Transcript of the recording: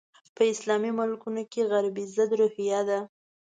په اسلامي ملکونو کې غربي ضد روحیه ده.